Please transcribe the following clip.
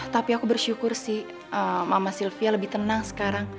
tapi aku bersyukur sih mama sylvia lebih tenang sekarang